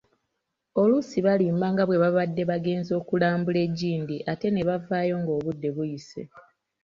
Oluusi balimba nga bwe babadde bagenze okulambula egindi ate nebavaayo ng'obudde buyise.